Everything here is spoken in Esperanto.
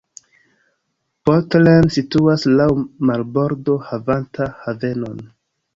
Portland situas laŭ marbordo havanta havenon.